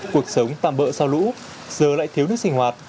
cuộc sống tạm bỡ sau lũ giờ lại thiếu nước sinh hoạt